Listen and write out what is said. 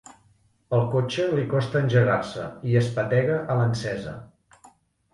Al cotxe li costa engegar-se i espetega a l'encesa.